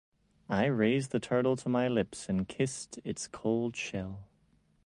I raised the turtle to my lips and kissed its cold shell.